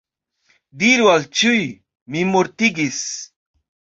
Diru al ĉiuj “mi mortigis”.